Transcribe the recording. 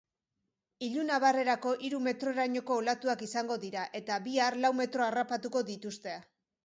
Ilunabarrerako hiru metrorainoko olatuak izango dira eta bihar lau metro harrapatuko dituzte.